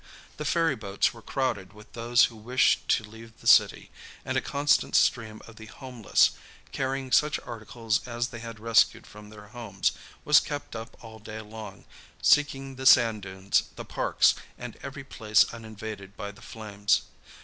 The ferryboats were crowded with those who wished to leave the city, and a constant stream of the homeless, carrying such articles as they had rescued from their homes, was kept up all day long, seeking the sand dunes, the parks and every place uninvaded by the flames.